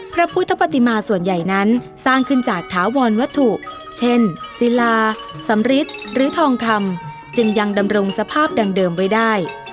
พระพุทธปฏิมาส่วนใหญ่นั้นสร้างขึ้นจากถาวรวัตถุเช่นศิลาสำริทหรือทองคำจึงยังดำรงสภาพดังเดิมไว้ได้